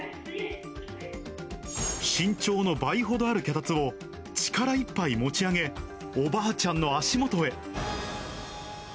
身長の倍ほどある脚立を力いっぱい持ち上げ、おばあちゃんの足元へ。